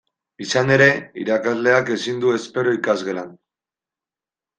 Izan ere, irakasleak ezin du espero ikasgelan.